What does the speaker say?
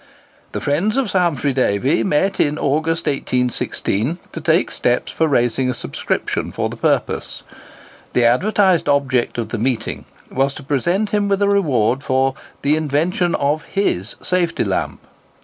The friends of Sir H. Davy met in August, 1816, to take steps for raising a subscription for the purpose. The advertised object of the meeting was to present him with a reward for "the invention of his safety lamp."